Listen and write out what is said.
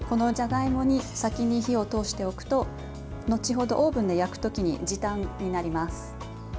じゃがいもに先に火を通しておくと後ほどオーブンで焼くときに時短になります。